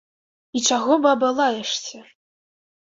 І чаго, баба, лаешся?